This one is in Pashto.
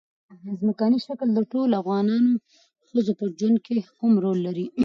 ځمکنی شکل د ټولو افغان ښځو په ژوند کې هم رول لري.